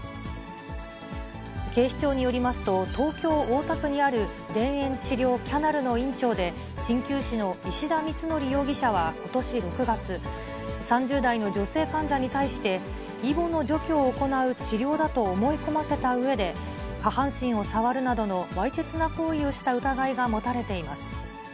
警視庁によりますと、東京・大田区にある田園治療キャナルの院長で、しんきゅう師の石田光徳容疑者はことし６月、３０代の女性患者に対して、いぼの除去を行う治療だと思い込ませたうえで、下半身を触るなどのわいせつな行為をした疑いが持たれています。